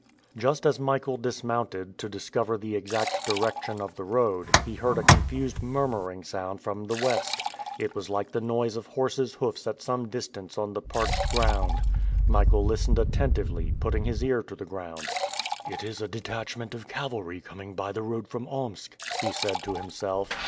Just as Michael dismounted to discover the exact direction of the road, he heard a confused murmuring sound from the west. It was like the noise of horses' hoofs at some distance on the parched ground. Michael listened attentively, putting his ear to the ground. "It is a detachment of cavalry coming by the road from Omsk," he said to himself.